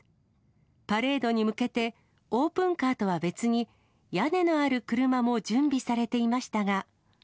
パレードに向けて、オープンカーとは別に、屋根のある車も準備されていましたが。